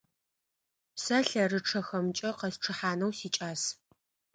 Сэ лъэрычъэхэмкӀэ къэсчъыхьанэу сикӀас.